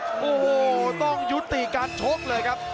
โอ้โหต้องยุติการชกเลยครับ